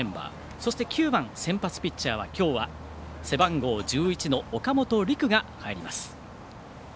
そして９番、先発ピッチャーは今日は背番号１１の岡本陸が入ります。